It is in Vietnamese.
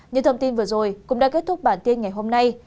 những thông tin vừa rồi cũng đã kết thúc bản tin ngày hôm nay